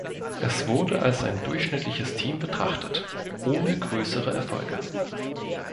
Es wurde als ein durchschnittliches Team betrachtet, ohne größere Erfolge.